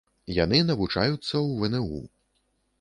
Яны навучаюцца ў вну.